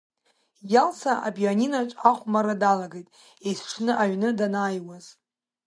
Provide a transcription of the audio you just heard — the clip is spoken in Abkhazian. Иалса апионинаҿ ахәмарра далагеит есҽны аҩны данааиуаз.